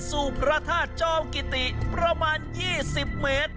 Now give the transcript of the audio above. พระธาตุจอมกิติประมาณ๒๐เมตร